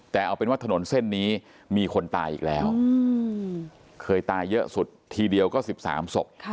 แต่เอาเป็นว่าถนนเส้นนี้มีคนตายอีกแล้วเคยตายเยอะสุดทีเดียวก็๑๓ศพ